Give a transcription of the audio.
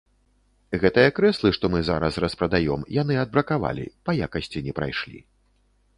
Гэтыя крэслы, што мы зараз распрадаём, яны адбракавалі, па якасці не прайшлі.